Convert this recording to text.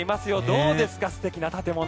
どうですか、素敵な建物。